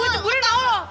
gue cek udah tau loh